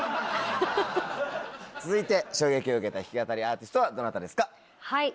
続いて衝撃を受けた弾き語りアーティストはどなたですか？